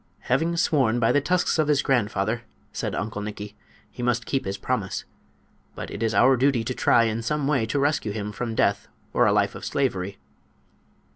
"Having sworn by the tusks of his grandfather," said Uncle Nikki, "he must keep his promise. But it is our duty to try in some way to rescue him from death or a life of slavery."